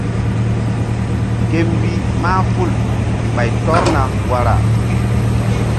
Ke mbih mahful ɓay tɔrna wara.